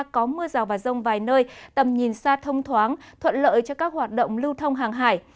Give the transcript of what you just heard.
có mưa rào và rông vài nơi tầm nhìn xa thông thoáng thuận lợi cho các hoạt động lưu thông hàng hải